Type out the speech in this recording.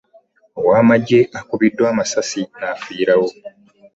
Owamaggye akubiddwa amasasi nafiirawo.